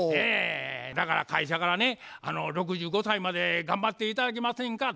だから会社からね「６５歳まで頑張って頂けませんか」って言われてんねん。